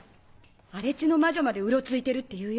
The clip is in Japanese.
荒地の魔女までうろついてるっていうよ。